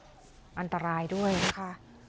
โอ้โฮอันตรายด้วยค่ะ